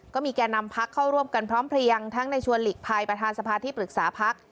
แก่นำพักเข้าร่วมกันพร้อมเพลียงทั้งในชวนหลีกภัยประธานสภาที่ปรึกษาพัก